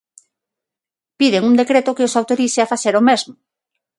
Piden un decreto que os autorice a facer o mesmo.